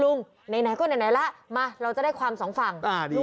ลุงไหนไหนก็ไหนไหนล่ะมาเราจะได้ความสองฝั่งอ่าดี